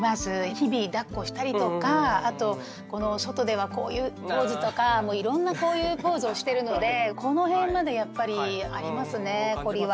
日々だっこしたりとかあと外ではこういうポーズとかもういろんなこういうポーズをしてるのでこの辺までやっぱりありますね凝りは。